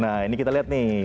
nah ini kita lihat nih